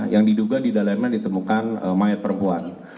yang diduga di dalamnya ditemukan mayat perempuan